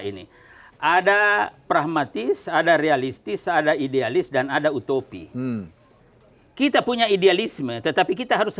ini ada pragmatis ada realistis ada idealis dan ada utopi kita punya idealisme tetapi kita harus